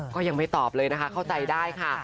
ก็ยังไม่ตอบเลยนะคะเข้าใจได้ค่ะ